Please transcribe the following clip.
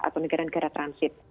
atau negara negara transit